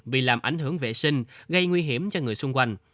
vì làm ảnh hưởng vệ sinh gây nguy hiểm cho người xung quanh